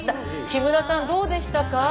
木村さんどうでしたか？